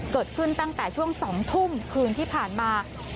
เกิดขึ้นตั้งแต่ช่วง๒ทุ่มคืนที่ผ่านมา